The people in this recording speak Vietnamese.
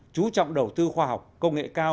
chú trọng đầu tư khoa học công nghệ cao